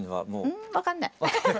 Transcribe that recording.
うん分かんない。